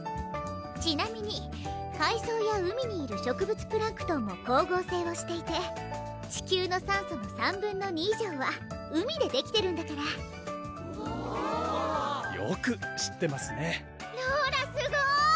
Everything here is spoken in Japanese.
ちなみに海草や海にいる植物プランクトンも光合成をしていて地球の酸素の３分の２以上は海でできてるんだからおぉよく知ってますねローラすごい！